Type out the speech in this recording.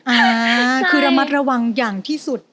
อ่าคือระมัดระวังอย่างที่สุด